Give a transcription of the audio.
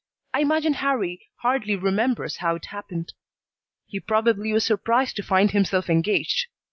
I imagine Harrie hardly remembers how it happened. He probably was surprised to find himself engaged.